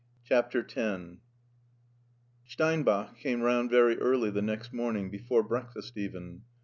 CHAPTER X STEINBACH came round very early the next morning, before breakfast even.